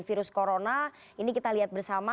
virus corona ini kita lihat bersama